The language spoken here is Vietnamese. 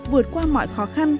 vượt qua mọi khó khăn